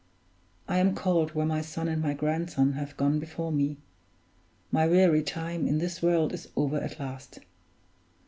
I am called where my son and my grandson have gone before me; my weary time in this world is over at last.